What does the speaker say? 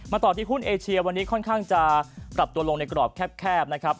ต่อที่หุ้นเอเชียวันนี้ค่อนข้างจะปรับตัวลงในกรอบแคบนะครับ